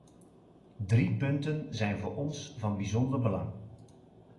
Drie punten zijn voor ons van bijzonder belang.